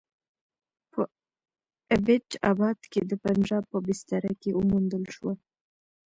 په ایبټ اباد کې د پنجاب په بستره کې وموندل شوه.